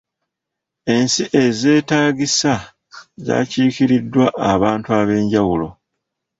Ensi ezeetaagisa zaakiikiriddwa abantu ab'enjawulo